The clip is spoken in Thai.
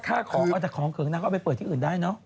แค่ของแต่ของเครื่องหน้าก็เอาไปเปิดที่อื่นได้เนาะ